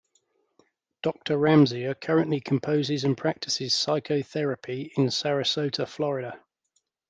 Doctor Ramsier currently composes and practices psychotherapy in Sarasota, Florida.